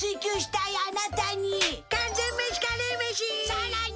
さらに！